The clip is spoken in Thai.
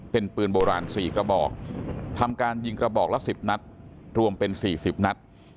เป็นปืนโบราณ๔กระบอกทำการยิงกระบอกละ๑๐นัดรวมเป็น๔๐นัด